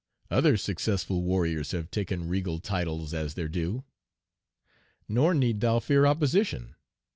Other successful warriors have taken regal titles as their due. Nor need thou fear opposition.